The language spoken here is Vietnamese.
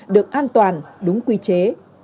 được an toàn đúng quy chế